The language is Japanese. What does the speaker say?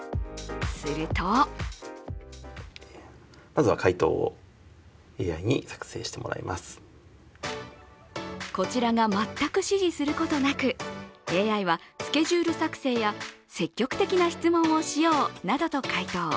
するとこちらが全く指示することなくＡＩはスケジュール作成や積極的な質問をしようなどと回答。